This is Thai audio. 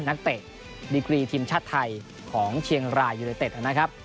นักเตะดีกรีทีมชาติไทยของเชียงรายยูเนเต็ดนะครับ